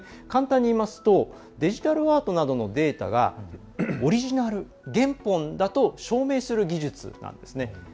簡単に言いますとデジタルアートなどのデータがオリジナル、原本だと証明する技術なんです。